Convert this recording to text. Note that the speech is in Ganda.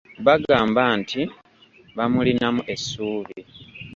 Bagamba nti bamulinamu essuubi.